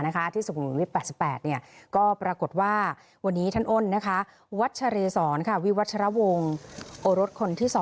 อาทิตย์๑๐๘๘ก็ปรากฏว่าท่านอ้อนนะคะวัดเฉรสรวิวัฒนวงโอนทคนที่๒